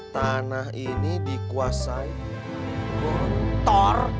tanah ini dikuasai gontor